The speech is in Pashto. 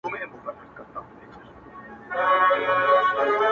توبه ګاره له توبې یم، پر مغان غزل لیکمه.!